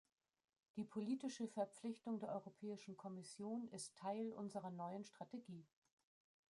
Die politische Verpflichtung der Europäischen Kommission ist Teil unserer neuen Strategie.